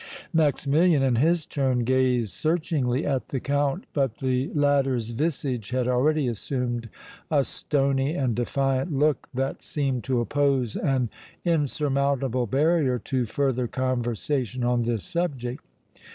Maximilian in his turn gazed searchingly at the Count, but the latter's visage had already assumed a stony and defiant look that seemed to oppose an insurmountable barrier to further conversation on this subject.